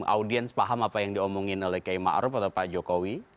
audience paham apa yang diomongin oleh kay ma'ruf atau pak jokowi